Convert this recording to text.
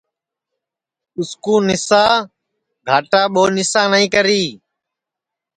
اُس کُو نِسا گھاٹؔا ٻو نسا نائی کری